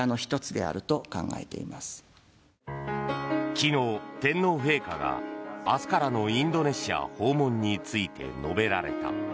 昨日、天皇陛下が明日からのインドネシア訪問について述べられた。